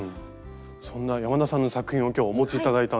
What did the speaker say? そんな山田さんの作品を今日お持ち頂いたんですが。